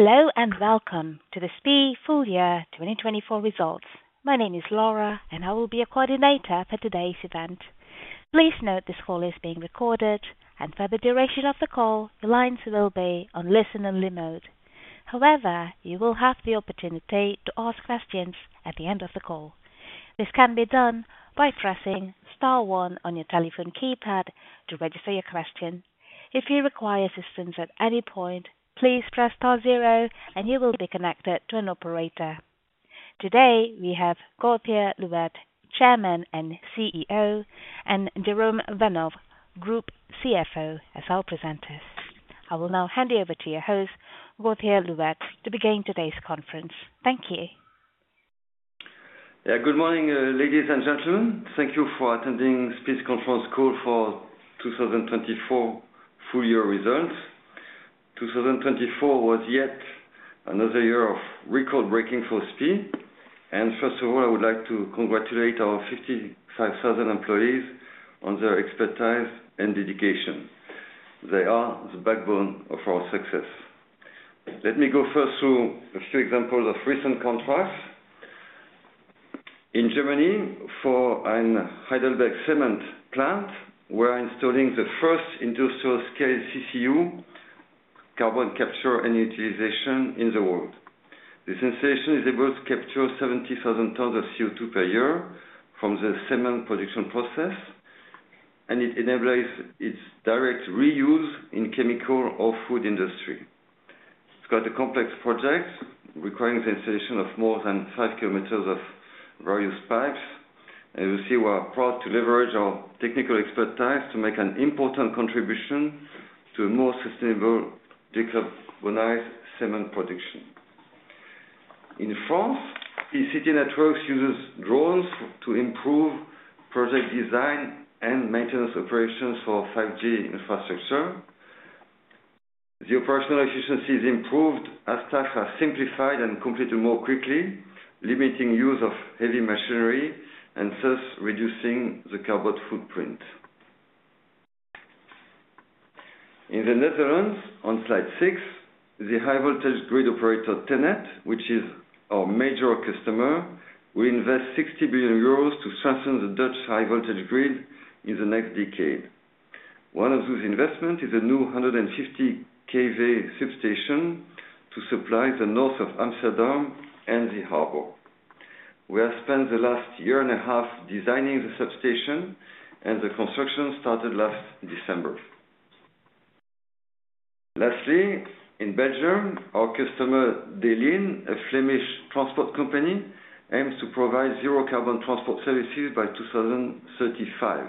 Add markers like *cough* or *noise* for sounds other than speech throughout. Hello and welcome to the SPIE Full Year 2024 results. My name is Laura, and I will be your coordinator for today's event. Please note this call is being recorded, and for the duration of the call, your lines will be on listen-only mode. However, you will have the opportunity to ask questions at the end of the call. This can be done by pressing star one on your telephone keypad to register your question. If you require assistance at any point, please press star zero, and you will be connected to an operator. Today, we have Gauthier Louette, Chairman and CEO, and Jérôme Vanhove, Group CFO, as our presenters. I will now hand you over to your host, Gauthier Louette, to begin today's conference. Thank you. Yeah, good morning, ladies and gentlemen. Thank you for attending SPIE's Conference Call for 2024 Full Year Results. 2024 was yet another year of record-breaking for SPIE. First of all, I would like to congratulate our 55,000 employees on their expertise and dedication. They are the backbone of our success. Let me go first through a few examples of recent contracts. In Germany, for a Heidelberg cement plant, we are installing the first industrial-scale CCU, carbon capture and utilization, in the world. This installation is able to capture 70,000 tons of CO2 per year from the cement production process, and it enables its direct reuse in the chemical or food industry. It's quite a complex project, requiring the installation of more than five kilometers of various pipes. As you see, we are proud to leverage our technical expertise to make an important contribution to a more sustainable, decarbonized cement production. In France, SPIE City Networks uses drones to improve project design and maintenance operations for 5G infrastructure. The operational efficiency is improved as staff are simplified and completed more quickly, limiting use of heavy machinery and thus reducing the carbon footprint. In the Netherlands, on slide six, the high-voltage grid operator TenneT, which is our major customer, will invest 60 billion euros to strengthen the Dutch high-voltage grid in the next decade. One of those investments is a new 150 kV substation to supply the north of Amsterdam and the harbor. We have spent the last year and a half designing the substation, and the construction started last December. Lastly, in Belgium, our customer De Lijn, a Flemish transport company, aims to provide zero-carbon transport services by 2035.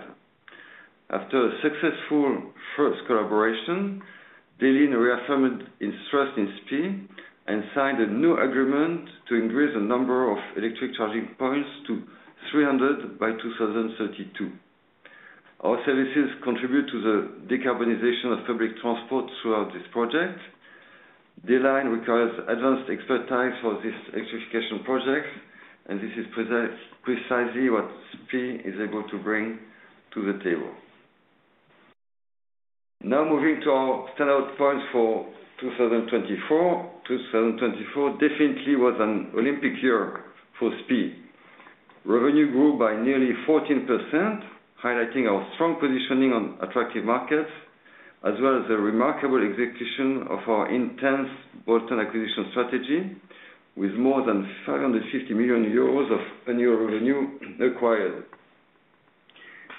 After a successful first collaboration, De Lijn reaffirmed its trust in SPIE and signed a new agreement to increase the number of electric charging points to 300 by 2032. Our services contribute to the decarbonization of public transport throughout this project. De Lijn requires advanced expertise for these electrification projects, and this is precisely what SPIE is able to bring to the table. Now moving to our standout points for 2024, 2024 definitely was an Olympic year for SPIE. Revenue grew by nearly 14%, highlighting our strong positioning on attractive markets, as well as the remarkable execution of our intense bolt-on acquisition strategy, with more than 550 million euros of annual revenue acquired.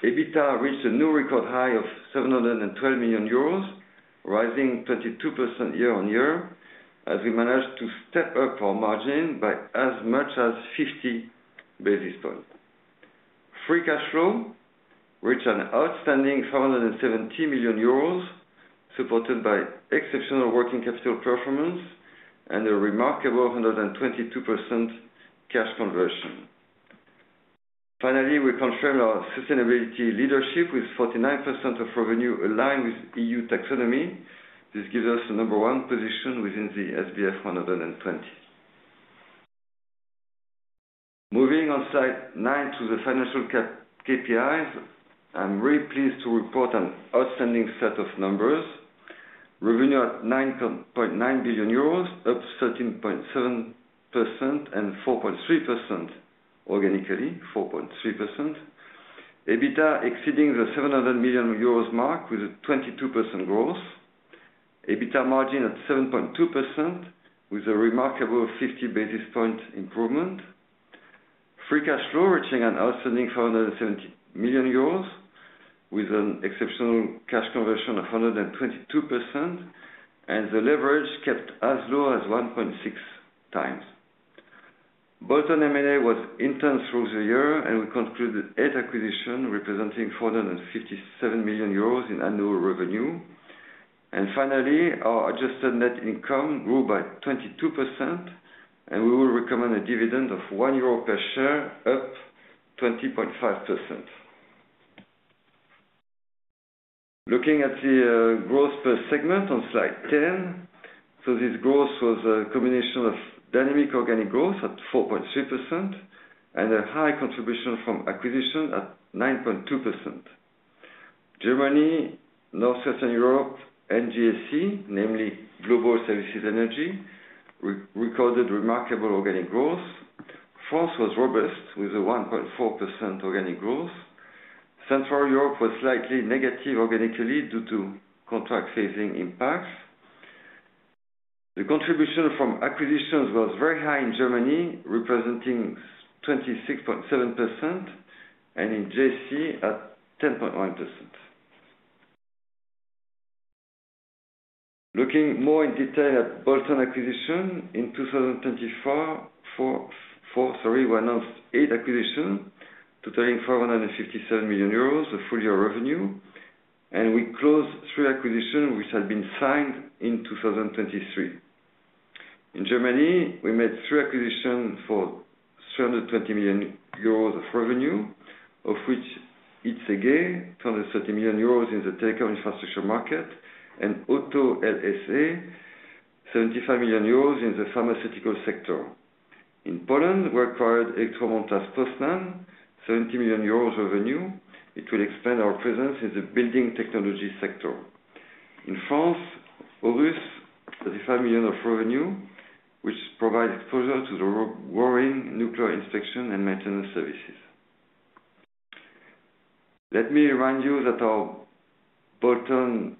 EBITDA reached a new record high of 712 million euros, rising 22% year on year, as we managed to step up our margin by as much as 50 basis points. Free cash flow reached an outstanding 570 million euros, supported by exceptional working capital performance and a remarkable 122% cash conversion. Finally, we confirmed our sustainability leadership, with 49% of revenue aligned with EU taxonomy. This gives us a number one position within the SBF 120. Moving on to slide nine to the financial KPIs, I'm really pleased to report an outstanding set of numbers. Revenue at 9.9 billion euros, up 13.7% and 4.3% organically, 4.3%. EBITDA exceeding the 700 million euros mark with a 22% growth. EBITDA margin at 7.2% with a remarkable 50 basis point improvement. Free cash flow reaching an outstanding 570 million euros, with an exceptional cash conversion of 122%, and the leverage kept as low as 1.6 times. Bolt-on M&A was intense throughout the year, and we concluded eight acquisitions, representing 457 million euros in annual revenue. Finally, our adjusted net income grew by 22%, and we will recommend a dividend of 1 euro per share, up 20.5%. Looking at the growth per segment on slide 10, so this growth was a combination of dynamic organic growth at 4.3% and a high contribution from acquisition at 9.2%. Germany, Northwestern Europe, and GSE, namely Global Services Energy, recorded remarkable organic growth. France was robust with a 1.4% organic growth. Central Europe was slightly negative organically due to contract-sizing impacts. The contribution from acquisitions was very high in Germany, representing 26.7%, and in GSE at 10.1%. Looking more in detail at bolt-on acquisition, in 2024, we announced eight acquisitions, totaling 557 million euros, a full year revenue, and we closed three acquisitions which had been signed in 2023. In Germany, we made three acquisitions for 320 million euros of revenue, of which ICG Group 230 million euros in the telecom infrastructure market, and Otto Life Science Engineering 75 million euros in the pharmaceutical sector. In Poland, we acquired Elektromontaż Poznań, 70 million euros revenue. It will expand our presence in the building technology sector. In France, *inaudible* EUR 35 million of revenue, which provides exposure to the growing nuclear inspection and maintenance services. Let me remind you that our bolt-on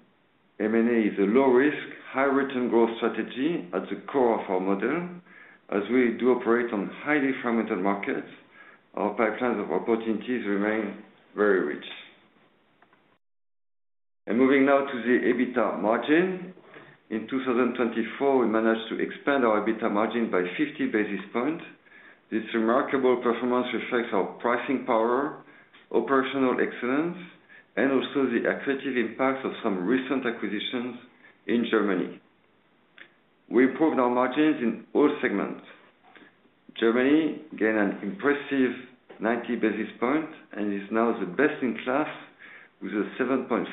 M&A is a low-risk, high-return growth strategy at the core of our model. As we do operate on highly fragmented markets, our pipelines of opportunities remain very rich. Moving now to the EBITDA margin. In 2024, we managed to expand our EBITDA margin by 50 basis points. This remarkable performance reflects our pricing power, operational excellence, and also the accretive impact of some recent acquisitions in Germany. We improved our margins in all segments. Germany gained an impressive 90 basis points and is now the best in class with a 7.5%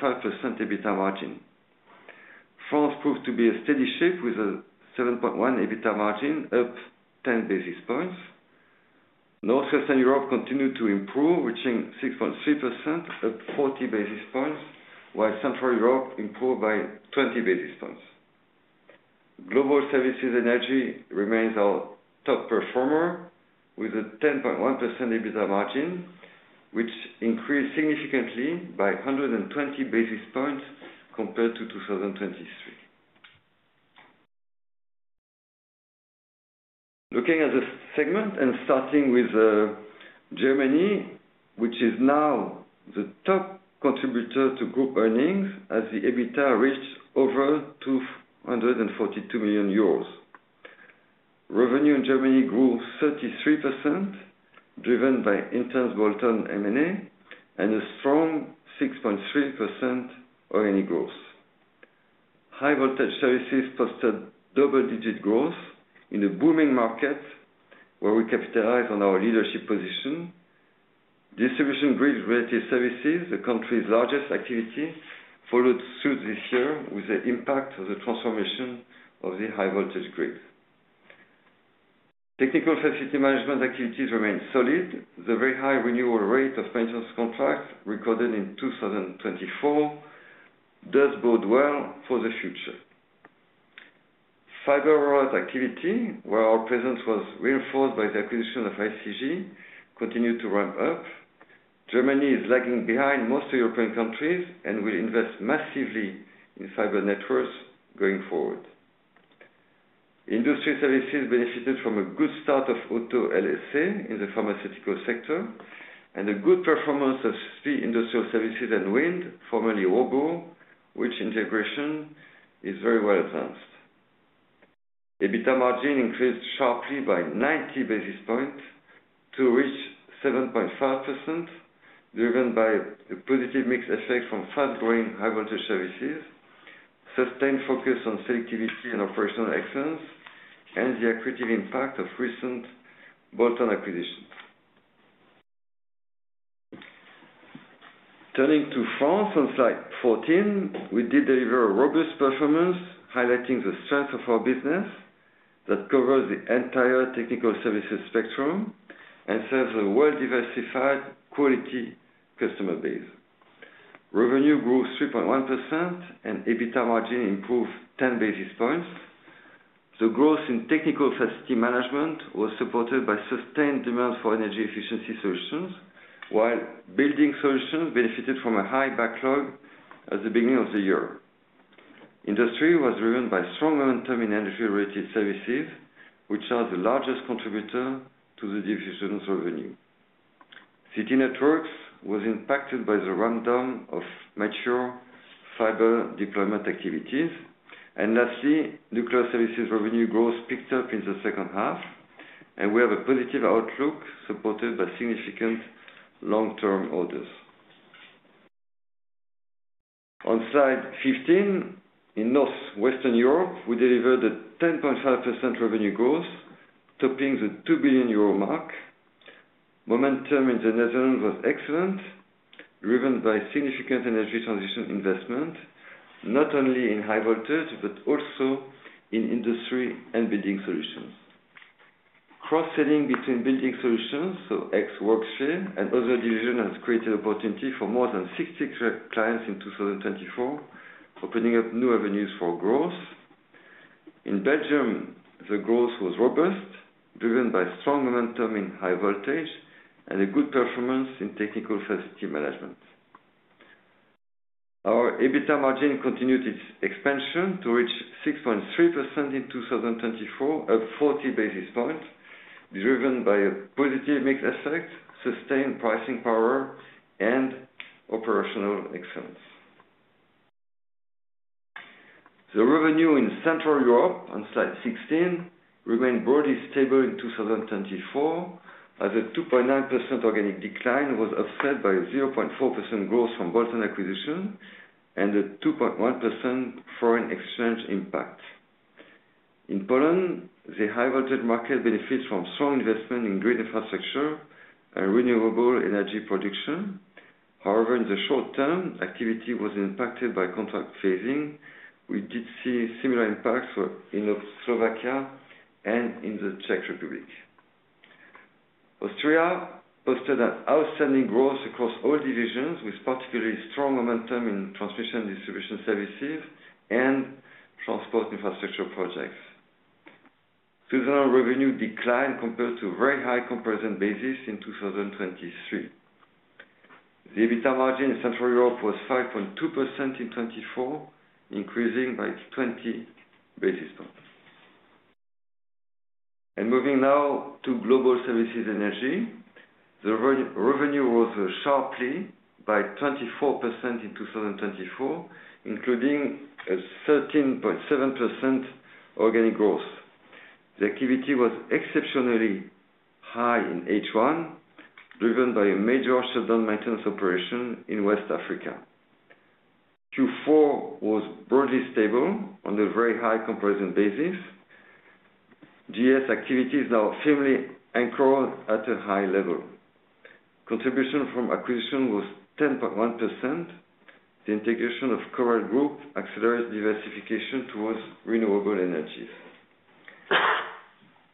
EBITDA margin. France proved to be a steady ship with a 7.1% EBITDA margin, up 10 basis points. Northwestern Europe continued to improve, reaching 6.3%, up 40 basis points, while Central Europe improved by 20 basis points. Global Services Energy remains our top performer with a 10.1% EBITDA margin, which increased significantly by 120 basis points compared to 2023. Looking at the segment and starting with Germany, which is now the top contributor to group earnings, as the EBITDA reached over 242 million euros. Revenue in Germany grew 33%, driven by intense bolt-on M&A and a strong 6.3% organic growth. High-voltage services posted double-digit growth in a booming market where we capitalized on our leadership position. Distribution grid-related services, the country's largest activity, followed through this year with the impact of the transformation of the high-voltage grid. Technical facility management activities remained solid. The very high renewal rate of maintenance contracts recorded in 2024 does bode well for the future. Fiber route activity, where our presence was reinforced by the acquisition of ICG, continued to ramp up. Germany is lagging behind most European countries and will invest massively in fiber networks going forward. Industry services benefited from a good start of Otto Life Science Engineering in the pharmaceutical sector and a good performance of SPIE Industrial Services and Wind, formerly Robur, which integration is very well advanced. EBITDA margin increased sharply by 90 basis points to reach 7.5%, driven by the positive mixed effect from fast-growing high-voltage services, sustained focus on selectivity and operational excellence, and the accurate impact of recent bolt-on acquisitions. Turning to France on slide 14, we did deliver a robust performance highlighting the strength of our business that covers the entire technical services spectrum and serves a well-diversified quality customer base. Revenue grew 3.1% and EBITDA margin improved 10 basis points. The growth in technical facility management was supported by sustained demand for energy efficiency solutions, while building solutions benefited from a high backlog at the beginning of the year. Industry was driven by strong momentum in energy-related services, which are the largest contributor to the distribution revenue. City Networks was impacted by the rundown of mature fiber deployment activities. And lastly, nuclear services revenue growth picked up in the second half, and we have a positive outlook supported by significant long-term orders. On slide 15, in Northwestern Europe, we delivered a 10.5% revenue growth, topping the 2 billion euro mark. Momentum in the Netherlands was excellent, driven by significant energy transition investment, not only in high voltage, but also in industry and building solutions. Cross-selling between building solutions, so ex-Workshare and other divisions, has created opportunity for more than 60 clients in 2024, opening up new avenues for growth. In Belgium, the growth was robust, driven by strong momentum in high voltage and a good performance in technical facility management. Our EBITDA margin continued its expansion to reach 6.3% in 2024, up 40 basis points, driven by a positive mixed effect, sustained pricing power, and operational excellence. The revenue in Central Europe, on slide 16, remained broadly stable in 2024, as a 2.9% organic decline was offset by a 0.4% growth from bolt-on acquisition and a 2.1% foreign exchange impact. In Poland, the high-voltage market benefits from strong investment in grid infrastructure and renewable energy production. However, in the short term, activity was impacted by contract phasing. We did see similar impacts in Slovakia and in the Czech Republic. Austria posted an outstanding growth across all divisions, with particularly strong momentum in transmission distribution services and transport infrastructure projects. Seasonal revenue declined compared to very high comparison basis in 2023. The EBITDA margin in Central Europe was 5.2% in 2024, increasing by 20 basis points, and moving now to Global Services Energy, the revenue rose sharply by 24% in 2024, including a 13.7% organic growth. The activity was exceptionally high in H1, driven by a major shutdown maintenance operation in West Africa. Q4 was broadly stable on a very high comparison basis. GS activity is now firmly anchored at a high level. Contribution from acquisition was 10.1%. The integration of Correll Group accelerates diversification towards renewable energies.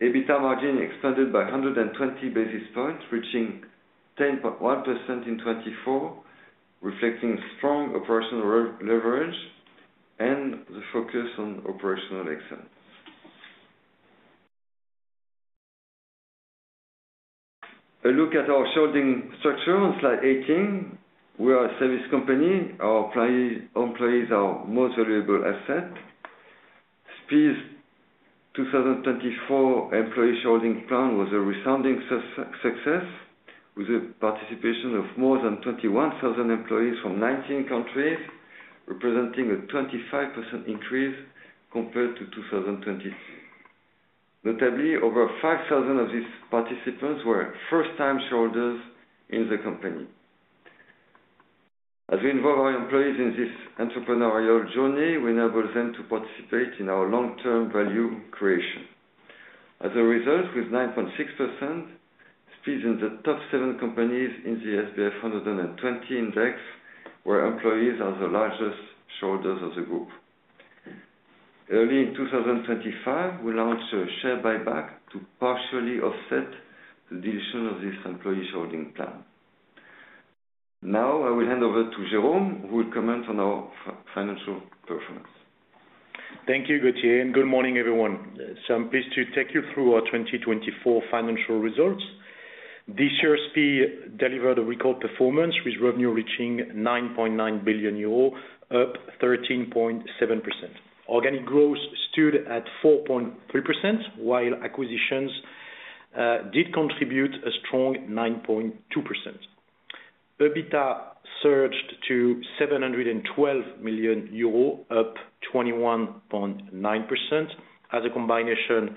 EBITDA margin expanded by 120 basis points, reaching 10.1% in 2024, reflecting strong operational leverage and the focus on operational excellence. A look at our shareholding structure on slide 18. We are a service company. Our employees are our most valuable asset. SPIE's 2024 employee shareholding plan was a resounding success, with the participation of more than 21,000 employees from 19 countries, representing a 25% increase compared to 2022. Notably, over 5,000 of these participants were first-time shareholders in the company. As we involve our employees in this entrepreneurial journey, we enable them to participate in our long-term value creation. As a result, with 9.6%, SPIE is in the top seven companies in the SBF 120 index, where employees are the largest shareholders of the group. Early in 2025, we launched a share buyback to partially offset the dilution of this employee shareholding plan. Now, I will hand over to Jérôme, who will comment on our financial performance. Thank you, Gauthier. Good morning, everyone. I'm pleased to take you through our 2024 financial results. This year, SPIE delivered a record performance, with revenue reaching 9.9 billion euro, up 13.7%. Organic growth stood at 4.3%, while acquisitions did contribute a strong 9.2%. EBITDA surged to 712 million euro, up 21.9%, as a combination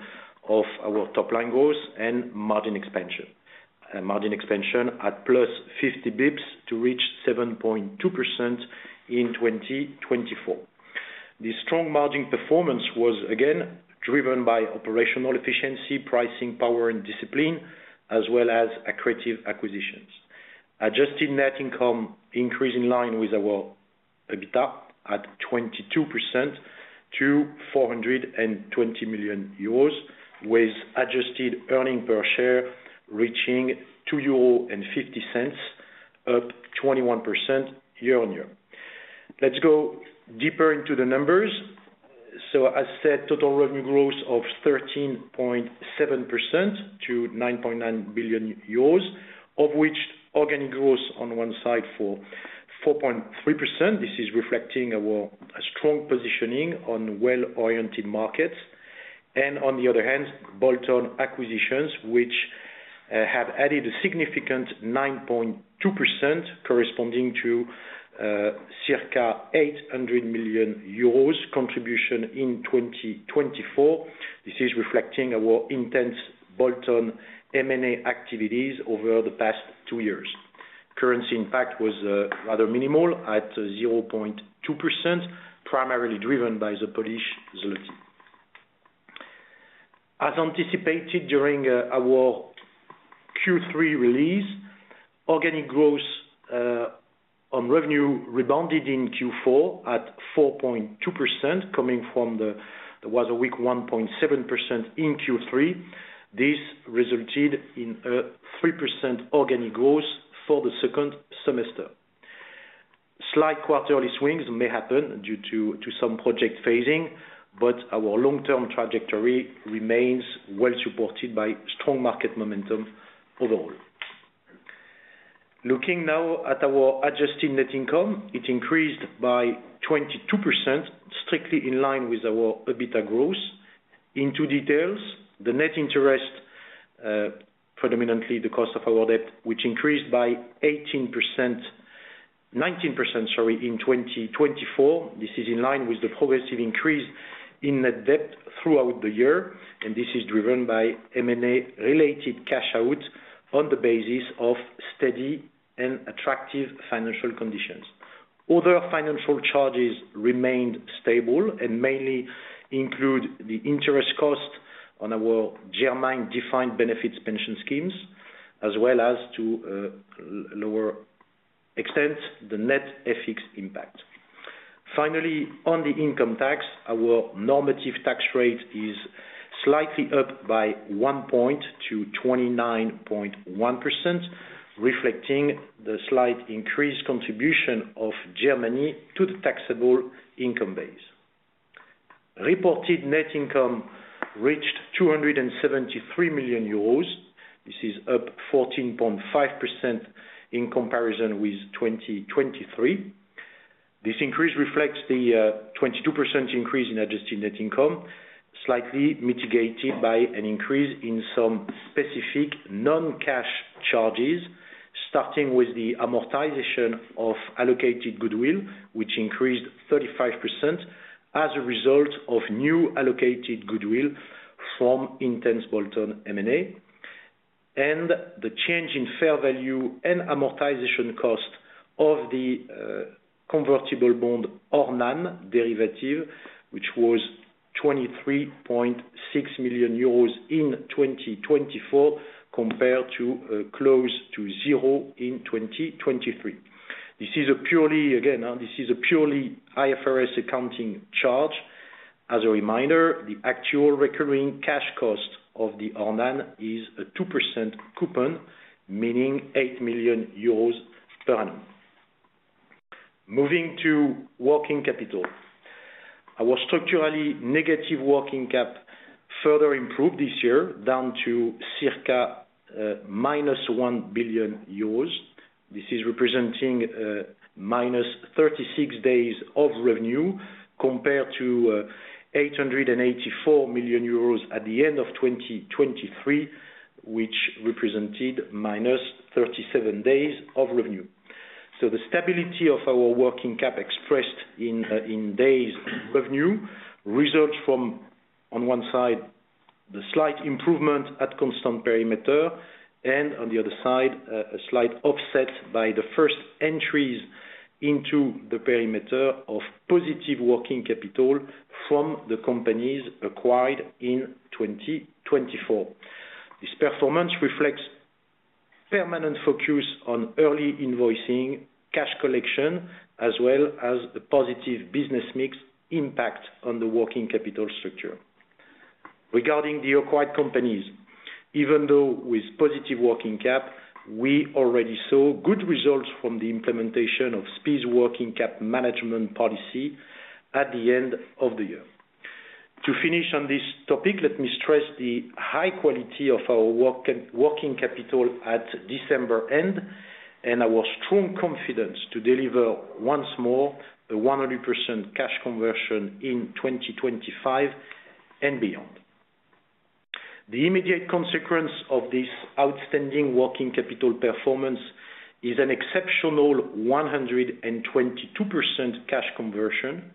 of our top-line growth and margin expansion. Margin expansion at plus 50 basis points to reach 7.2% in 2024. The strong margin performance was again driven by operational efficiency, pricing power, and discipline, as well as accretive acquisitions. Adjusted net income increased in line with our EBITDA at 22% to 420 million euros, with adjusted earnings per share reaching 2.50 euros, up 21% year on year. Let's go deeper into the numbers. As said, total revenue growth of 13.7% to 9.9 billion euros, of which organic growth on one side for 4.3%. This is reflecting our strong positioning on well-oriented markets. On the other hand, bolt-on acquisitions, which have added a significant 9.2%, corresponding to circa 800 million euros contribution in 2024. This is reflecting our intense bolt-on M&A activities over the past two years. Currency impact was rather minimal at 0.2%, primarily driven by the Polish zloty. As anticipated during our Q3 release, organic growth on revenue rebounded in Q4 at 4.2%, coming from a weak 1.7% in Q3. This resulted in a 3% organic growth for the second semester. Slight quarterly swings may happen due to some project phasing, but our long-term trajectory remains well supported by strong market momentum overall. Looking now at our adjusted net income, it increased by 22%, strictly in line with our EBITDA growth. Into details, the net interest, predominantly the cost of our debt, which increased by 18%, 19%, sorry, in 2024. This is in line with the progressive increase in net debt throughout the year, and this is driven by M&A-related cash out on the basis of steady and attractive financial conditions. Other financial charges remained stable and mainly include the interest cost on our German defined-benefit pension schemes, as well as, to a lower extent, the net FX impact. Finally, on the income tax, our normative tax rate is slightly up by one point to 29.1%, reflecting the slight increased contribution of Germany to the taxable income base. Reported net income reached 273 million euros. This is up 14.5% in comparison with 2023. This increase reflects the 22% increase in adjusted net income, slightly mitigated by an increase in some specific non-cash charges, starting with the amortization of allocated goodwill, which increased 35% as a result of new allocated goodwill from intense bolt-on M&A, and the change in fair value and amortization cost of the convertible bond ORNANE derivative, which was 23.6 million euros in 2024 compared to close to zero in 2023. This is a purely, again, this is a purely IFRS accounting charge. As a reminder, the actual recurring cash cost of the ORNANE is a 2% coupon, meaning 8 million euros per annum. Moving to working capital. Our structurally negative working cap further improved this year, down to circa minus 1 billion euros. This is representing minus 36 days of revenue compared to 884 million euros at the end of 2023, which represented minus 37 days of revenue. So the stability of our working cap expressed in days of revenue results from, on one side, the slight improvement at constant perimeter, and on the other side, a slight offset by the first entries into the perimeter of positive working capital from the companies acquired in 2024. This performance reflects permanent focus on early invoicing, cash collection, as well as a positive business mix impact on the working capital structure. Regarding the acquired companies, even though with positive working cap, we already saw good results from the implementation of SPIE's working cap management policy at the end of the year. To finish on this topic, let me stress the high quality of our working capital at December end and our strong confidence to deliver once more a 100% cash conversion in 2025 and beyond. The immediate consequence of this outstanding working capital performance is an exceptional 122% cash conversion,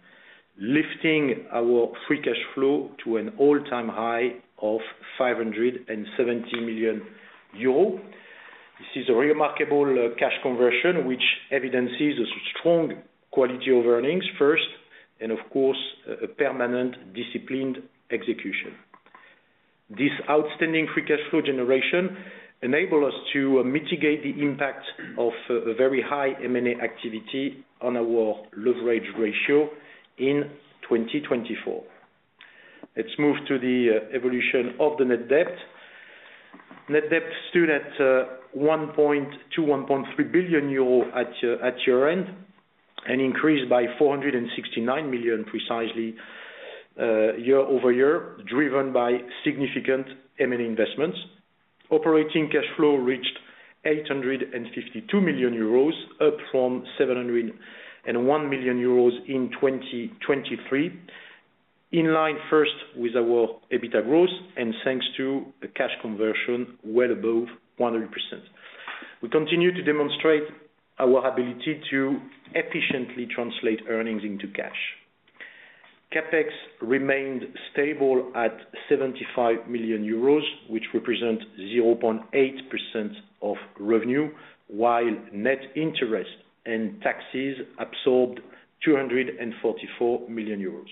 lifting our free cash flow to an all-time high of 570 million euros. This is a remarkable cash conversion, which evidences a strong quality of earnings first, and of course, a permanent disciplined execution. This outstanding free cash flow generation enables us to mitigate the impact of a very high M&A activity on our leverage ratio in 2024. Let's move to the evolution of the net debt. Net debt stood at 1.2 to 1.3 billion at year-end and increased by 469 million precisely year over year, driven by significant M&A investments. Operating cash flow reached 852 million euros, up from 701 million euros in 2023, in line first with our EBITDA growth and thanks to a cash conversion well above 100%. We continue to demonstrate our ability to efficiently translate earnings into cash. CapEx remained stable at 75 million euros, which represents 0.8% of revenue, while net interest and taxes absorbed 244 million euros.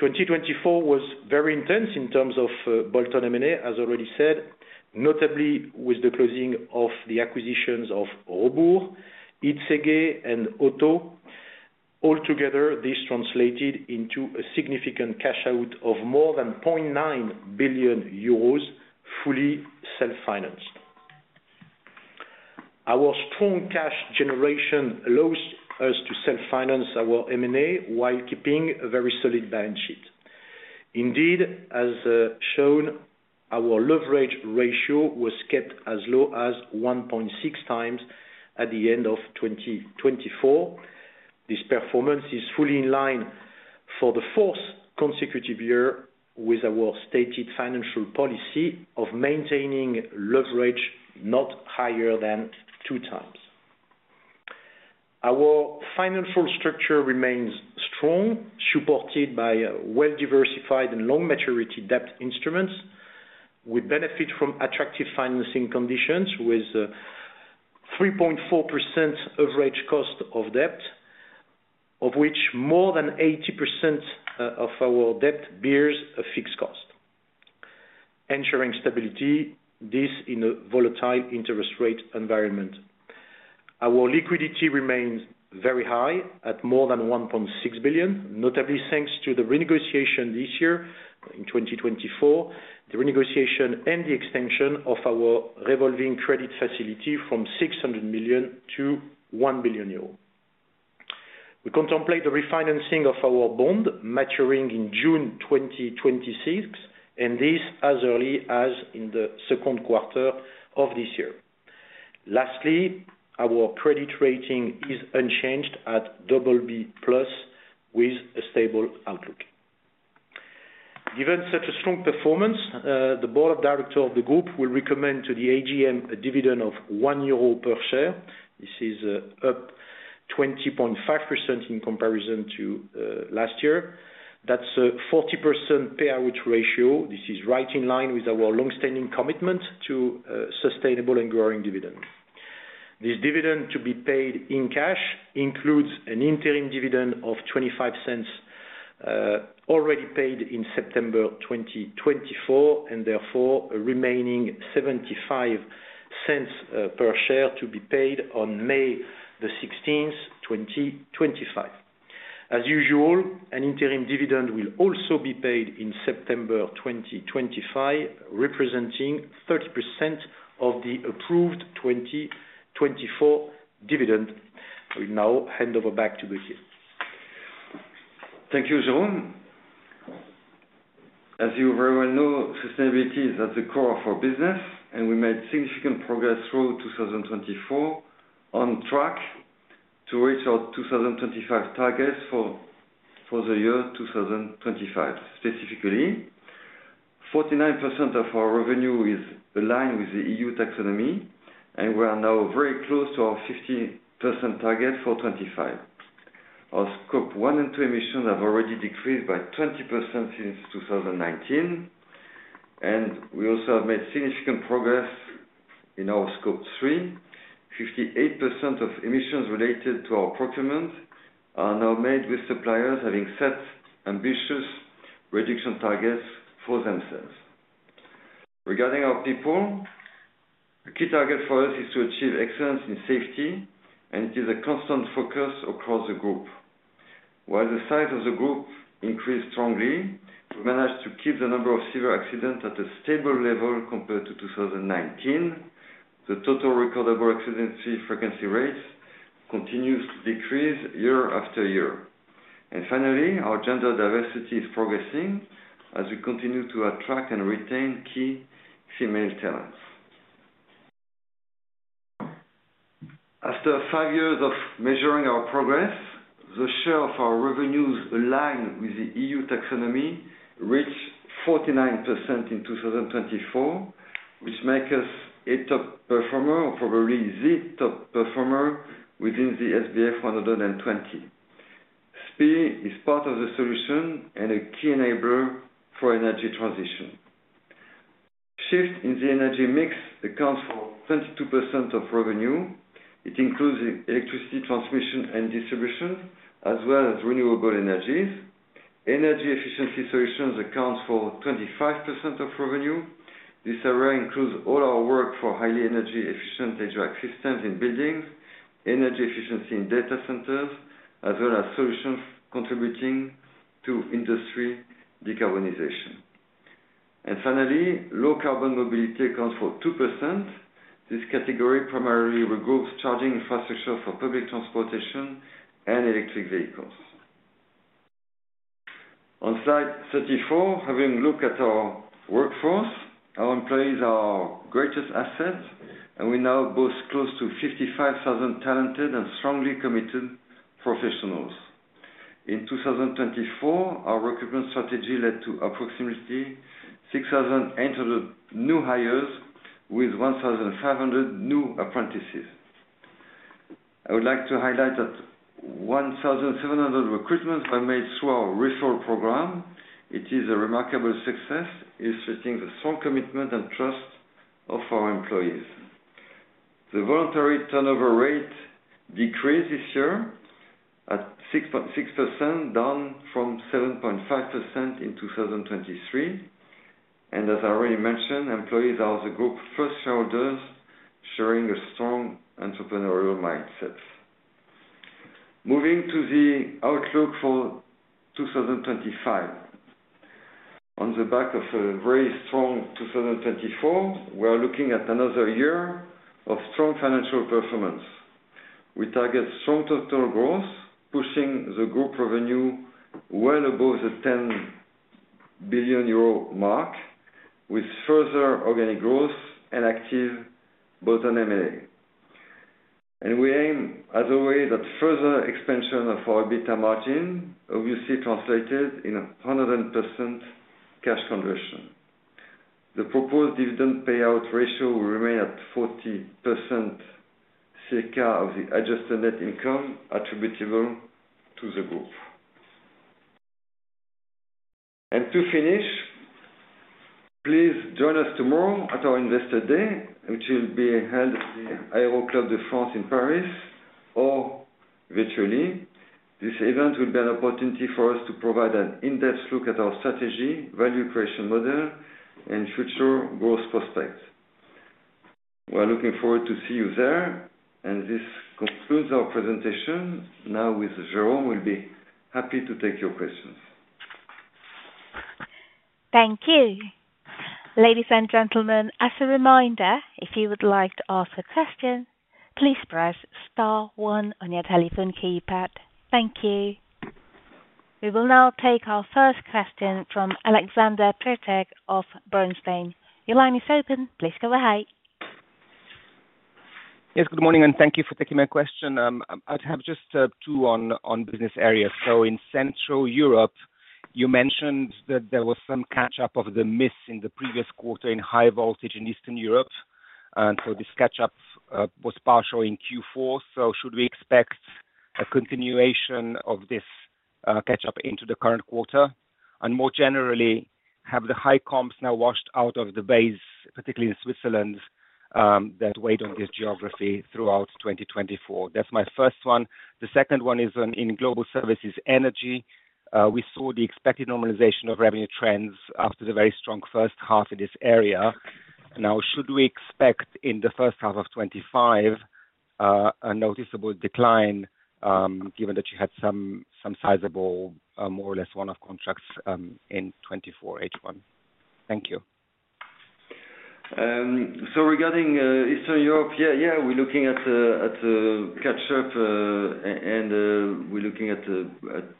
2024 was very intense in terms of bolt-on M&A, as already said, notably with the closing of the acquisitions of Robur, ICG, and Otto. Altogether, this translated into a significant cash out of more than 0.9 billion euros, fully self-financed. Our strong cash generation allows us to self-finance our M&A while keeping a very solid balance sheet. Indeed, as shown, our leverage ratio was kept as low as 1.6 times at the end of 2024. This performance is fully in line for the fourth consecutive year with our stated financial policy of maintaining leverage not higher than two times. Our financial structure remains strong, supported by well-diversified and long-maturity debt instruments. We benefit from attractive financing conditions with a 3.4% average cost of debt, of which more than 80% of our debt bears a fixed cost, ensuring stability in a volatile interest rate environment. Our liquidity remains very high at more than 1.6 billion, notably thanks to the renegotiation this year in 2024, the renegotiation and the extension of our revolving credit facility from 600 million to 1 billion euro. We contemplate the refinancing of our bond maturing in June 2026, and this as early as in the Q2 of this year. Lastly, our credit rating is unchanged at BB+, with a stable outlook. Given such a strong performance, the Board of Directors of the Group will recommend to the AGM a dividend of 1 euro per share. This is up 20.5% in comparison to last year. That's a 40% payout ratio. This is right in line with our long-standing commitment to sustainable and growing dividends. This dividend to be paid in cash includes an interim dividend of 0.25 already paid in September 2024, and therefore a remaining 0.75 per share to be paid on May 16, 2025. As usual, an interim dividend will also be paid in September 2025, representing 30% of the approved 2024 dividend. I will now hand over back to Gauthier. Thank you, Jérôme. As you very well know, sustainability is at the core of our business, and we made significant progress through 2024 on track to reach our 2025 targets for the year 2025. Specifically, 49% of our revenue is aligned with the EU taxonomy, and we are now very close to our 50% target for 2025. Our Scope 1 and 2 emissions have already decreased by 20% since 2019, and we also have made significant progress in our Scope 3. 58% of emissions related to our procurement are now made with suppliers having set ambitious reduction targets for themselves. Regarding our people, a key target for us is to achieve excellence in safety, and it is a constant focus across the group. While the size of the group increased strongly, we managed to keep the number of severe accidents at a stable level compared to 2019. The total recordable accident frequency rates continues to decrease year after year. And finally, our gender diversity is progressing as we continue to attract and retain key female talents. After five years of measuring our progress, the share of our revenues aligned with the EU taxonomy reached 49% in 2024, which makes us a top performer, or probably the top performer within the SBF 120. SPIE is part of the solution and a key enabler for energy transition. Shift in the energy mix accounts for 22% of revenue. It includes electricity transmission and distribution, as well as renewable energies. Energy efficiency solutions account for 25% of revenue. This area includes all our work for highly energy-efficient HVAC systems in buildings, energy efficiency in data centers, as well as solutions contributing to industry decarbonization. Finally, low carbon mobility accounts for 2%. This category primarily regroups charging infrastructure for public transportation and electric vehicles. On slide 34, having a look at our workforce, our employees are our greatest asset, and we now boast close to 55,000 talented and strongly committed professionals. In 2024, our recruitment strategy led to approximately 6,800 new hires with 1,500 new apprentices. I would like to highlight that 1,700 recruitments were made through our referral program. It is a remarkable success illustrating the strong commitment and trust of our employees. The voluntary turnover rate decreased this year at 6.6%, down from 7.5% in 2023, and as I already mentioned, employees are the group's first shareholders sharing a strong entrepreneurial mindset. Moving to the outlook for 2025. On the back of a very strong 2024, we are looking at another year of strong financial performance. We target strong total growth, pushing the group revenue well above the 10 billion euro mark, with further organic growth and active bolt-on M&A. And we aim, as always, at further expansion of our EBITDA margin, obviously translated in 100% cash conversion. The proposed dividend payout ratio will remain at 40% circa of the adjusted net income attributable to the group. And to finish, please join us tomorrow at our Investor Day, which will be held at the Aéroclub de France in Paris or virtually. This event will be an opportunity for us to provide an in-depth look at our strategy, value creation model, and future growth prospects. We are looking forward to seeing you there, and this concludes our presentation. Now, with Jérôme, we'll be happy to take your questions. Thank you. Ladies and gentlemen, as a reminder, if you would like to ask a question, please press star one on your telephone keypad. Thank you. We will now take our first question from Alexander Peterc of Bernstein. Your line is open. Please go ahead. Yes, good morning, and thank you for taking my question. I'd have just two on business areas. So in Central Europe, you mentioned that there was some catch-up of the miss in the previous quarter in high voltage in Eastern Europe. And so this catch-up was partial in Q4. So should we expect a continuation of this catch-up into the current quarter? And more generally, have the high comps now washed out of the base, particularly in Switzerland, that weighed on this geography throughout 2024? That's my first one. The second one is in global services energy. We saw the expected normalization of revenue trends after the very strong first half in this area. Now, should we expect in the first half of 2025 a noticeable decline, given that you had some sizable, more or less one-off contracts in 2024 H1? Thank you. So regarding Eastern Europe, yeah, yeah, we're looking at a catch-up, and we're looking at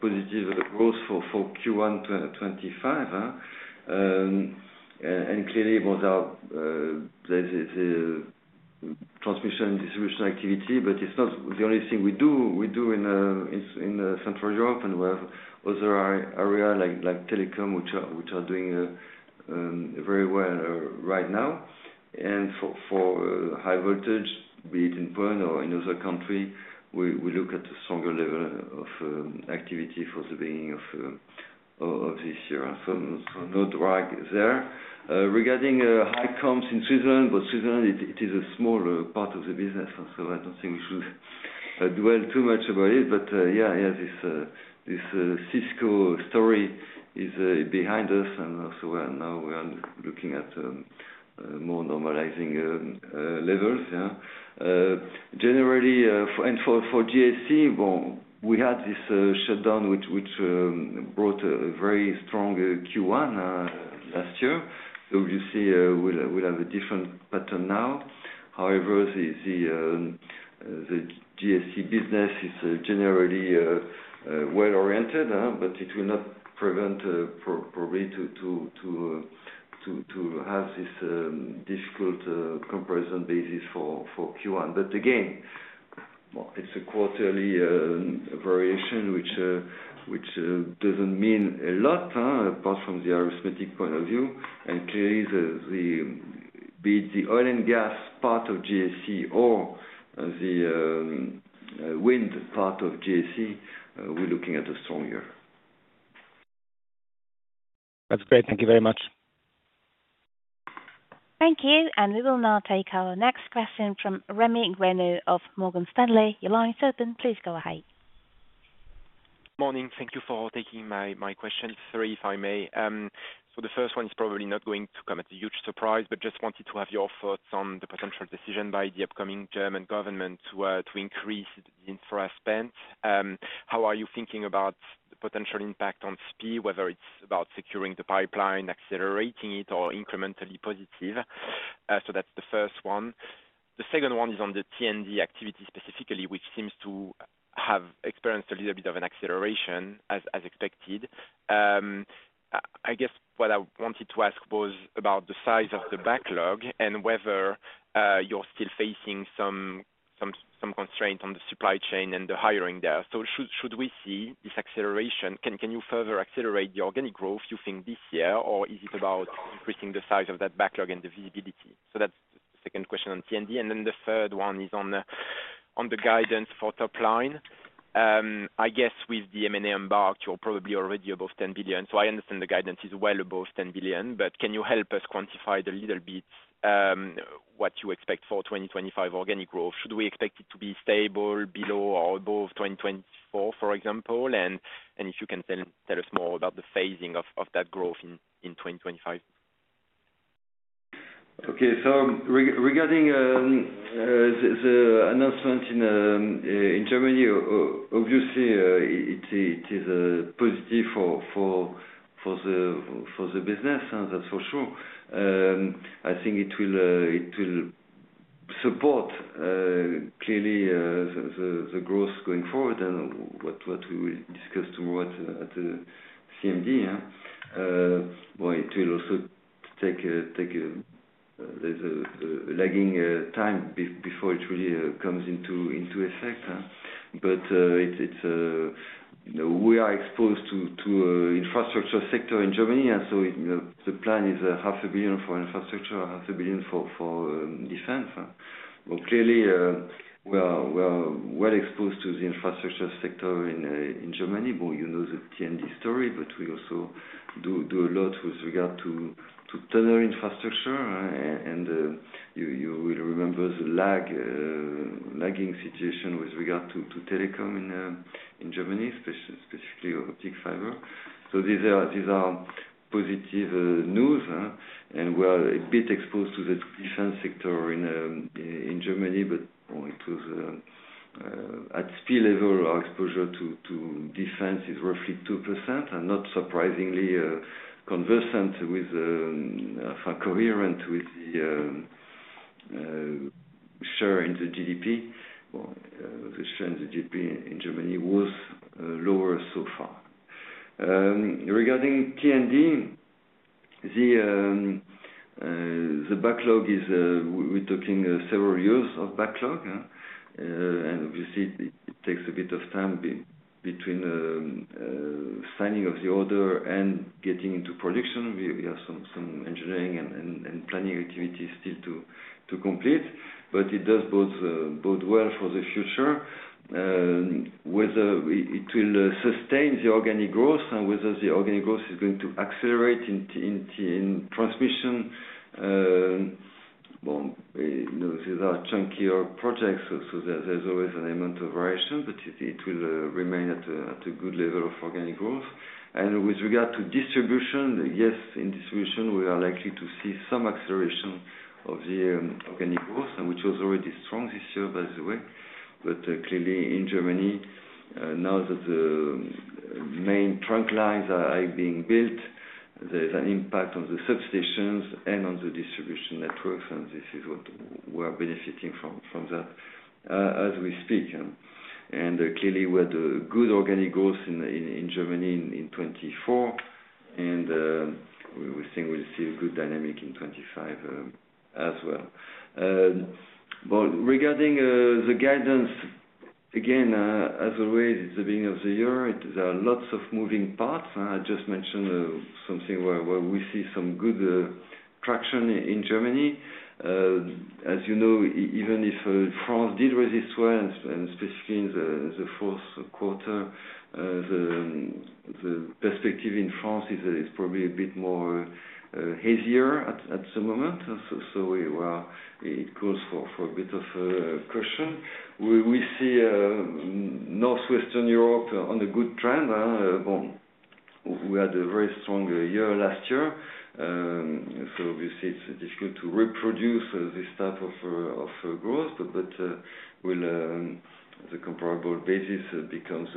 positive growth for Q1 2025. And clearly, there's the transmission and distribution activity, but it's not the only thing we do in Central Europe. And we have other areas like telecom, which are doing very well right now. And for high voltage, be it in Poland or in other countries, we look at a stronger level of activity for the beginning of this year. So no drag there. Regarding high comps in Switzerland, well, Switzerland, it is a smaller part of the business, so I don't think we should dwell too much about it. But yeah, yeah, this Cisco story is behind us, and so now we are looking at more normalizing levels. Generally, and for GSC, well, we had this shutdown, which brought a very strong Q1 last year. So obviously, we'll have a different pattern now. However, the GSC business is generally well-oriented, but it will not prevent probably to have this difficult comparison basis for Q1. But again, it's a quarterly variation, which doesn't mean a lot apart from the arithmetic point of view. And clearly, be it the oil and gas part of GSC or the wind part of GSC, we're looking at a strong year. That's great. Thank you very much. Thank you. And we will now take our next question from Rémi Grenu of Morgan Stanley. Your line is open. Please go ahead. Good morning. Thank you for taking my question, if I may. So the first one is probably not going to come as a huge surprise, but just wanted to have your thoughts on the potential decision by the upcoming German government to increase the infra spend. How are you thinking about the potential impact on SPIE, whether it's about securing the pipeline, accelerating it, or incrementally positive? So that's the first one. The second one is on the T&D activity specifically, which seems to have experienced a little bit of an acceleration, as expected. I guess what I wanted to ask was about the size of the backlog and whether you're still facing some constraints on the supply chain and the hiring there. So should we see this acceleration? Can you further accelerate the organic growth you think this year, or is it about increasing the size of that backlog and the visibility? So that's the second question on T&D. And then the third one is on the guidance for top line. I guess with the M&A embarked, you're probably already above 10 billion. I understand the guidance is well above 10 billion, but can you help us quantify a little bit what you expect for 2025 organic growth? Should we expect it to be stable, below, or above 2024, for example? And if you can tell us more about the phasing of that growth in 2025. Okay. Regarding the announcement in Germany, obviously, it is positive for the business, that's for sure. I think it will support clearly the growth going forward and what we will discuss tomorrow at the CMD. It will also take a lagging time before it really comes into effect. We are exposed to infrastructure sector in Germany, and so the plan is 500 million for infrastructure, 500 million for defense. Clearly, we are well exposed to the infrastructure sector in Germany. You know the T&D story, but we also do a lot with regard to tunnel infrastructure. You will remember the lagging situation with regard to telecom in Germany, specifically optic fiber. These are positive news. We are a bit exposed to the defense sector in Germany, but at SPIE level, our exposure to defense is roughly 2%, and not surprisingly consistent with the share in the GDP. The share in the GDP in Germany was lower so far. Regarding T&D, the backlog, we're talking several years of backlog. Obviously, it takes a bit of time between signing of the order and getting into production. We have some engineering and planning activities still to complete. It bodes well for the future, whether it will sustain the organic growth and whether the organic growth is going to accelerate in transmission. These are chunkier projects, so there's always an amount of variation, but it will remain at a good level of organic growth. And with regard to distribution, yes, in distribution, we are likely to see some acceleration of the organic growth, which was already strong this year, by the way. But clearly, in Germany, now that the main trunk lines are being built, there is an impact on the substations and on the distribution networks, and this is what we are benefiting from that as we speak. And clearly, we had a good organic growth in Germany in 2024, and we think we'll see a good dynamic in 2025 as well. Well, regarding the guidance, again, as always, it's the beginning of the year. There are lots of moving parts. I just mentioned something where we see some good traction in Germany. As you know, even if France did resist well, and specifically in the Q4, the perspective in France is probably a bit more hazier at the moment. So it calls for a bit of caution. We see Northwestern Europe on a good trend. Well, we had a very strong year last year. So obviously, it's difficult to reproduce this type of growth, but the comparable basis becomes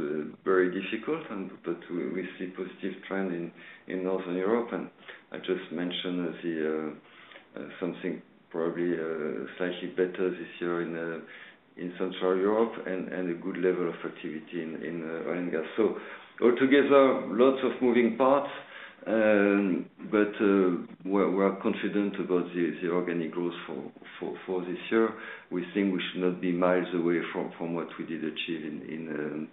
very difficult. But we see a positive trend in Northern Europe. And I just mentioned something probably slightly better this year in Central Europe and a good level of activity in oil and gas. So altogether, lots of moving parts, but we are confident about the organic growth for this year. We think we should not be miles away from what we did achieve in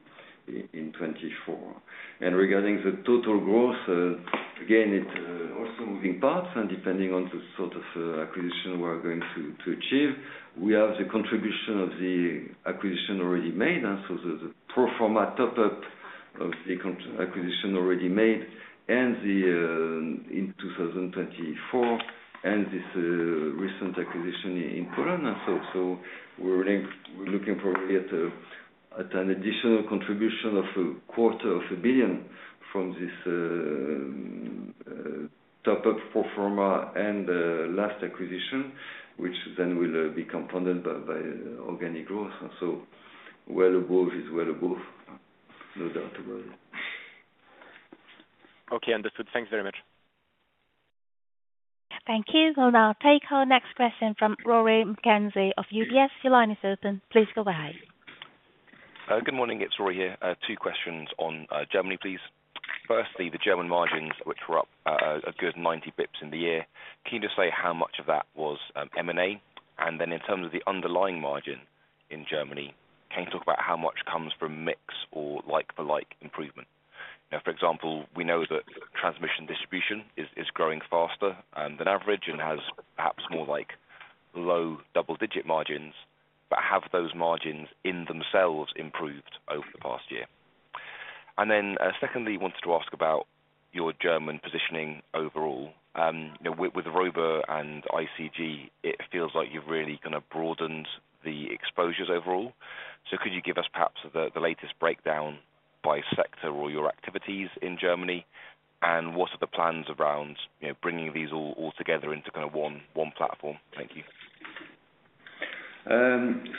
2024. Regarding the total growth, again, it's also moving parts, and depending on the sort of acquisition we're going to achieve, we have the contribution of the acquisition already made. So the pro forma top-up of the acquisition already made in 2024 and this recent acquisition in Poland. So we're looking probably at an additional contribution of 250 million from this top-up pro forma and last acquisition, which then will be compounded by organic growth. So well above is well above, no doubt about it. Okay. Understood. Thanks very much. Thank you. We'll now take our next question from Rory McKenzie of UBS. Your line is open. Please go ahead. Good morning. It's Rory here. Two questions on Germany, please. Firstly, the German margins, which were up a good 90 basis points in the year. Can you just say how much of that was M&A? And then in terms of the underlying margin in Germany, can you talk about how much comes from mix or like-for-like improvement? For example, we know that transmission distribution is growing faster than average and has perhaps more like low double-digit margins, but have those margins in themselves improved over the past year? And then secondly, wanted to ask about your German positioning overall. With Robur and ICG, it feels like you've really kind of broadened the exposures overall. So could you give us perhaps the latest breakdown by sector or your activities in Germany? And what are the plans around bringing these all together into kind of one platform? Thank you.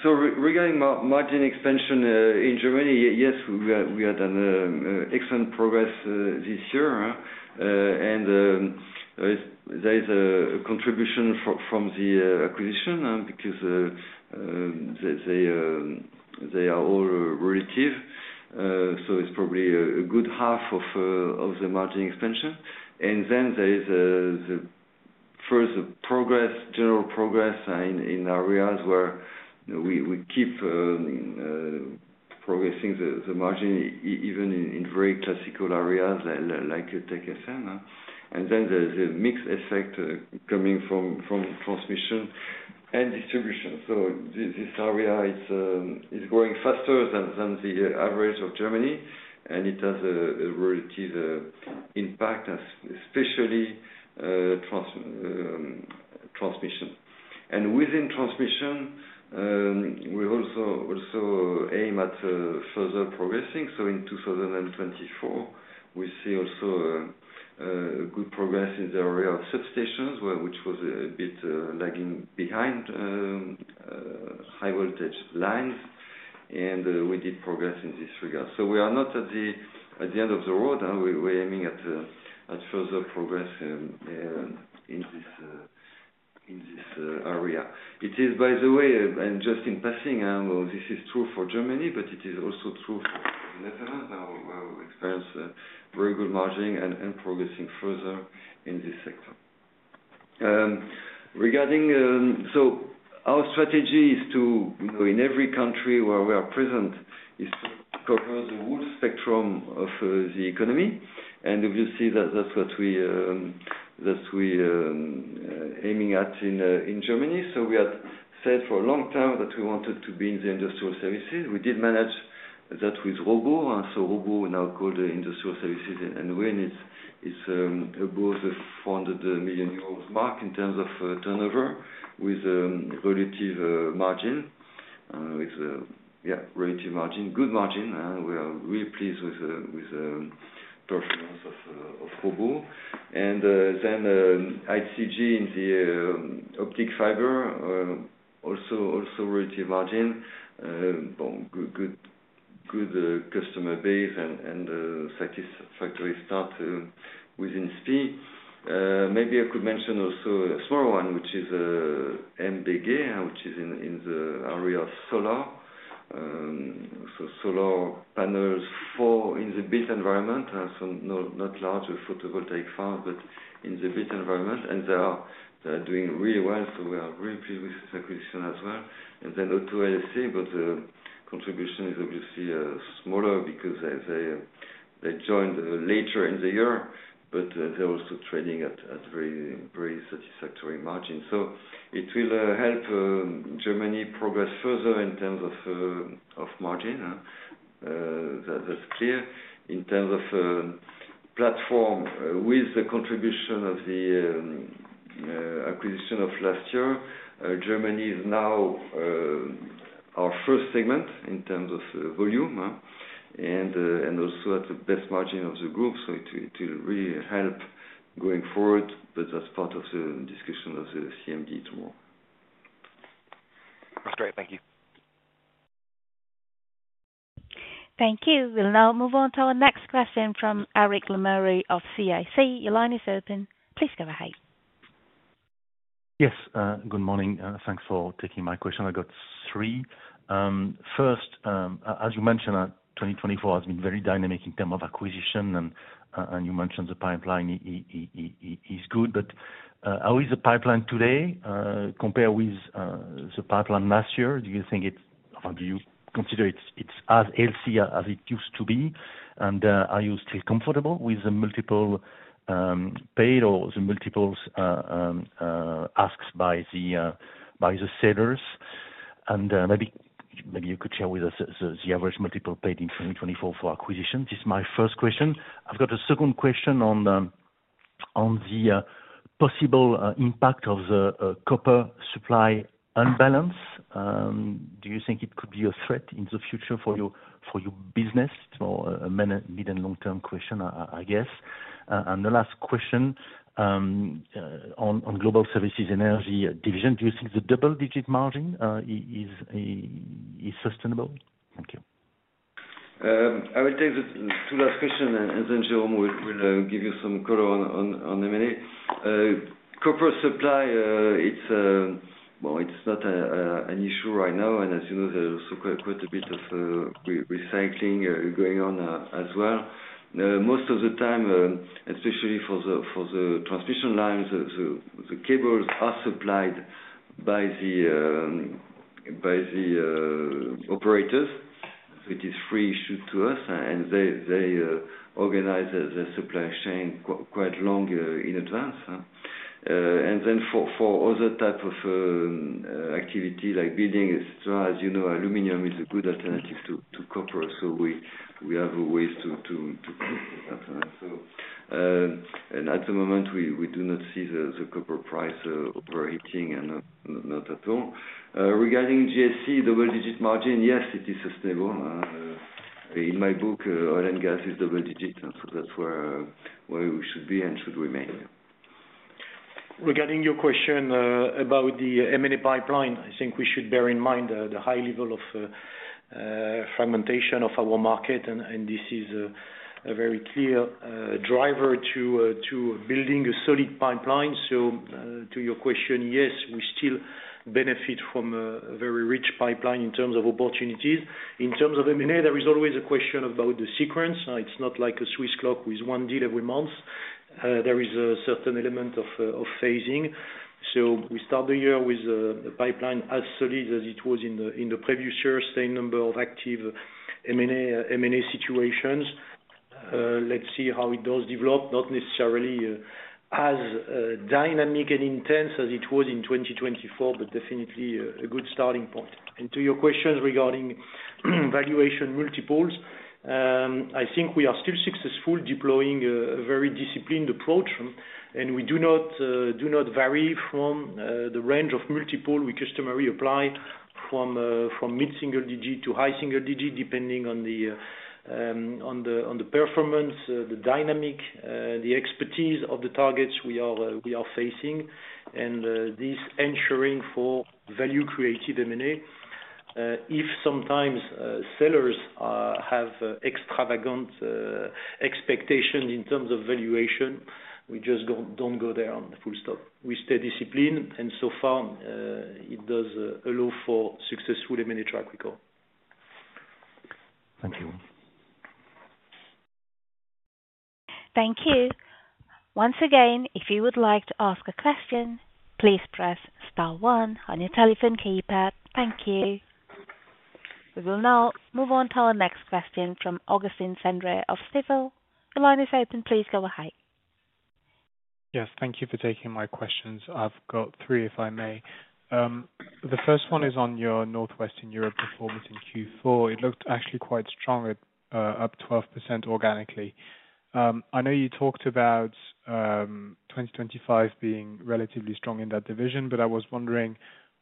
So regarding margin expansion in Germany, yes, we had an excellent progress this year. And there is a contribution from the acquisition because they are all relative. So it's probably a good half of the margin expansion. And then there is, first, the general progress in areas where we keep progressing the margin, even in very classical areas like TechFM. And then there's a mixed effect coming from transmission and distribution. So this area is growing faster than the average of Germany, and it has a relative impact, especially transmission. And within transmission, we also aim at further progressing. So in 2024, we see also good progress in the area of substations, which was a bit lagging behind high-voltage lines. And we did progress in this regard. So we are not at the end of the road. We're aiming at further progress in this area. It is, by the way, and just in passing, this is true for Germany, but it is also true for the Netherlands. We experience very good margin and progressing further in this sector. Our strategy is to, in every country where we are present, cover the whole spectrum of the economy. And obviously, that's what we are aiming at in Germany. We had said for a long time that we wanted to be in the industrial services. We did manage that with Robur. Robur now called the industrial services in a way. And it's above the 400 million euros mark in terms of turnover with relative margin, with relative margin, good margin. We are really pleased with the performance of Robur. And then ICG in the optical fiber, also relative margin, good customer base and satisfactory start within SPIE. Maybe I could mention also a smaller one, which is MBG, which is in the area of solar. Solar panels in the built environment, so not large photovoltaic farms, but in the built environment. And they are doing really well. So we are really pleased with this acquisition as well. And then Otto LSA, but the contribution is obviously smaller because they joined later in the year, but they're also trading at very satisfactory margins. So it will help Germany progress further in terms of margin. That's clear. In terms of platform, with the contribution of the acquisition of last year, Germany is now our first segment in terms of volume and also at the best margin of the group. So it will really help going forward, but that's part of the discussion of the CMD tomorrow. That's great. Thank you. Thank you. We'll now move on to our next question from Eric Lemarié of CIC. Your line is open. Please go ahead. Yes. Good morning. Thanks for taking my question. I got three. First, as you mentioned, 2024 has been very dynamic in terms of acquisition, and you mentioned the pipeline is good. But how is the pipeline today compared with the pipeline last year? Do you think it's? Do you consider it's as healthy as it used to be? And are you still comfortable with the multiple paid or the multiple asks by the sellers? And maybe you could share with us the average multiple paid in 2024 for acquisition. This is my first question. I've got a second question on the possible impact of the copper supply unbalance. Do you think it could be a threat in the future for your business? It's more a mid and long-term question, I guess. And the last question on global services energy division. Do you think the double-digit margin is sustainable? Thank you. I will take the two last questions, and then Jérôme will give you some color on M&A. Copper supply, well, it's not an issue right now, and as you know, there's also quite a bit of recycling going on as well. Most of the time, especially for the transmission lines, the cables are supplied by the operators. So it is free issued to us, and they organize the supply chain quite long in advance, and then for other types of activity like building, etc., as you know, aluminum is a good alternative to copper. So we have ways to do that, and at the moment, we do not see the copper price overheating and not at all. Regarding GSC, double-digit margin, yes, it is sustainable. In my book, oil and gas is double-digit, so that's where we should be and should remain. Regarding your question about the M&A pipeline, I think we should bear in mind the high level of fragmentation of our market, and this is a very clear driver to building a solid pipeline. So to your question, yes, we still benefit from a very rich pipeline in terms of opportunities. In terms of M&A, there is always a question about the sequence. It's not like a Swiss clock with one deal every month. There is a certain element of phasing. So we start the year with a pipeline as solid as it was in the previous year, same number of active M&A situations. Let's see how it does develop, not necessarily as dynamic and intense as it was in 2024, but definitely a good starting point. To your questions regarding valuation multiples, I think we are still successful deploying a very disciplined approach, and we do not vary from the range of multiple we customary apply from mid-single digit to high single digit, depending on the performance, the dynamic, the expertise of the targets we are facing, and this ensuring for value-creative M&A. If sometimes sellers have extravagant expectations in terms of valuation, we just don't go there full stop. We stay disciplined, and so far, it does allow for successful M&A track record. Thank you. Thank you. Once again, if you would like to ask a question, please press star one on your telephone keypad. Thank you. We will now move on to our next question from Augustin Cendre of Stifel. Your line is open. Please go ahead. Yes. Thank you for taking my questions. I've got three, if I may. The first one is on your Northwestern Europe performance in Q4. It looked actually quite strong, up 12% organically. I know you talked about 2025 being relatively strong in that division, but I was wondering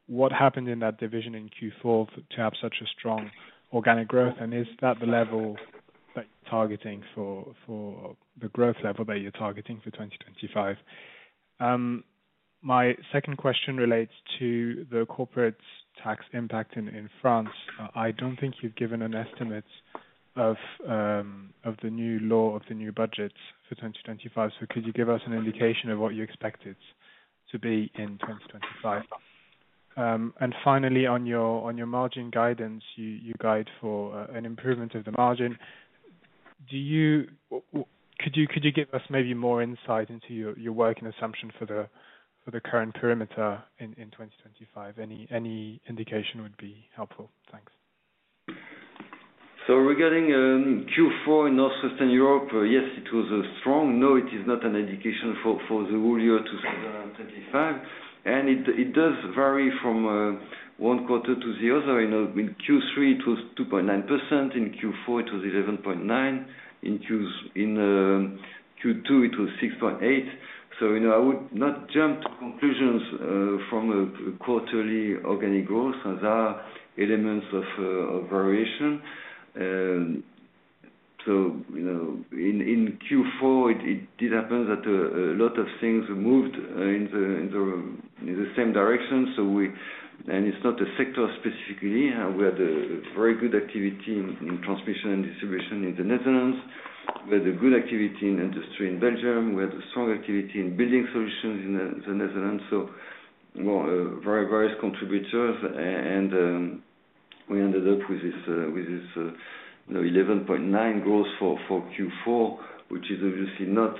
what happened in that division in Q4 to have such a strong organic growth, and is that the growth level that you're targeting for 2025? My second question relates to the corporate tax impact in France. I don't think you've given an estimate of the new law, of the new budget for 2025. So could you give us an indication of what you expected to be in 2025? And finally, on your margin guidance, you guide for an improvement of the margin. Could you give us maybe more insight into your work and assumption for the current perimeter in 2025? Any indication would be helpful. Thanks. Regarding Q4 in Northwestern Europe, yes, it was strong. No, it is not an indication for the whole year to 2025. It does vary from one quarter to the other. In Q3, it was 2.9%. In Q4, it was 11.9%. In Q2, it was 6.8%. I would not jump to conclusions from a quarterly organic growth. There are elements of variation. In Q4, it did happen that a lot of things moved in the same direction. It's not a sector specifically. We had very good activity in transmission and distribution in the Netherlands. We had good activity in industry in Belgium. We had strong activity in building solutions in the Netherlands. Various contributors. We ended up with this 11.9% growth for Q4, which is obviously not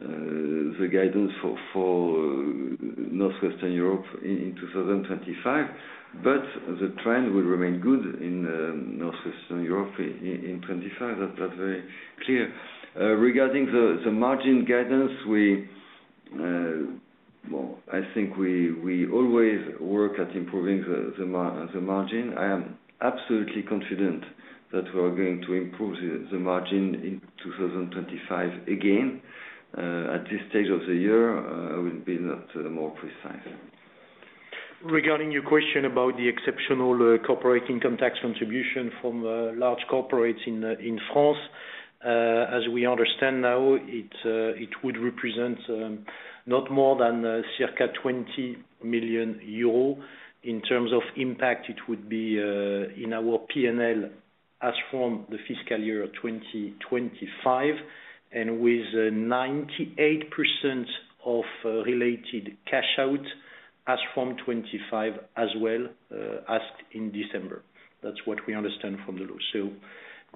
the guidance for Northwestern Europe in 2025. But the trend will remain good in Northwestern Europe in 2025. That's very clear. Regarding the margin guidance, I think we always work at improving the margin. I am absolutely confident that we are going to improve the margin in 2025 again. At this stage of the year, I will be more precise. Regarding your question about the exceptional corporate income tax contribution from large corporates in France, as we understand now, it would represent not more than circa 20 million euro. In terms of impact, it would be in our P&L as from the fiscal year 2025, and with 98% of related cash out as from 2025 as well as in December. That's what we understand from the law. So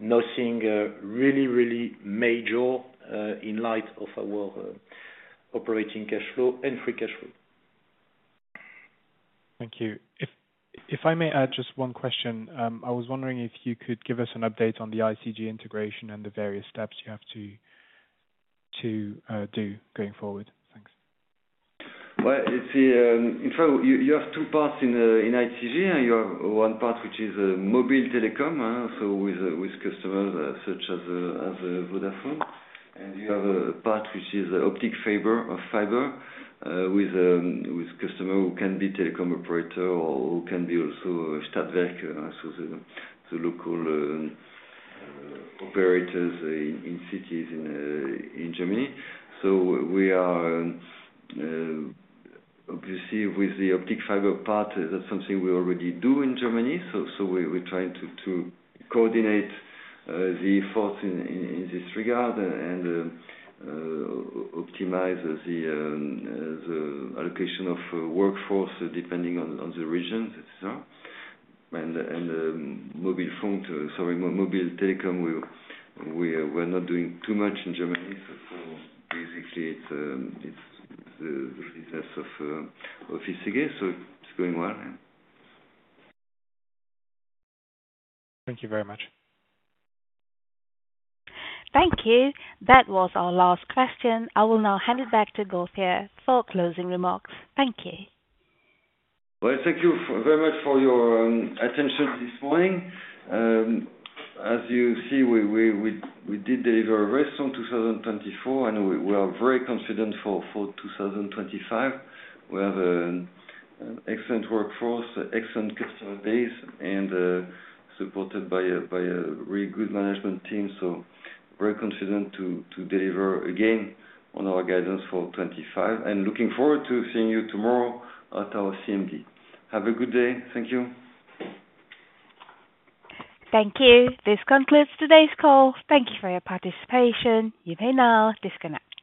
nothing really, really major in light of our operating cash flow and free cash flow. Thank you. If I may add just one question, I was wondering if you could give us an update on the ICG integration and the various steps you have to do going forward. Thanks. Well, in fact, you have two parts in ICG. You have one part which is mobile telecom, so with customers such as Vodafone. And you have a part which is optic fiber with customers who can be telecom operators or who can be also Stadtwerke, so the local operators in cities in Germany. So we are, obviously, with the optic fiber part, that's something we already do in Germany. So we're trying to coordinate the efforts in this regard and optimize the allocation of workforce depending on the region, etc. And mobile phone, sorry, mobile telecom, we are not doing too much in Germany. So basically, it's the business of ICG. So it's going well. Thank you very much. Thank you. That was our last question. I will now hand it back to Gauthier for closing remarks. Thank you. Well, thank you very much for your attention this morning. As you see, we did deliver very strong 2024, and we are very confident for 2025. We have an excellent workforce, excellent customer base, and supported by a really good management team. So very confident to deliver again on our guidance for 2025. And looking forward to seeing you tomorrow at our CMD. Have a good day. Thank you. Thank you. This concludes today's call. Thank you for your participation. You may now disconnect.